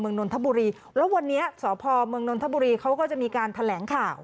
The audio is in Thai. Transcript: นนทบุรีแล้ววันนี้สพเมืองนนทบุรีเขาก็จะมีการแถลงข่าว